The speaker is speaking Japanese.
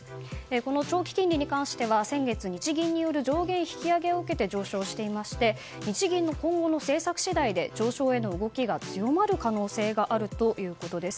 この長期金利に関しては先月日銀による条件引き上げによって上昇していまして日銀の今後の政策次第で条件引き上げの可能性が強まる可能性があるということです。